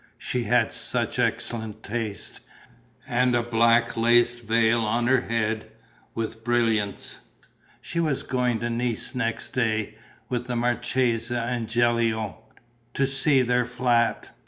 She had such excellent taste. And a black lace veil on her head, with brilliants. She was going to Nice next day, with the marchesa and Gilio, to see their flat.